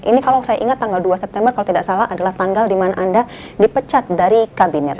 ini kalau saya ingat tanggal dua september kalau tidak salah adalah tanggal dimana anda dipecat dari kabinet